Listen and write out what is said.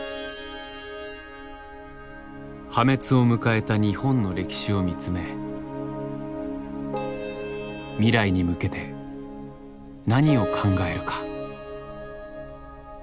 破滅を迎えた日本の歴史を見つめ未来に向けて何を考えるか。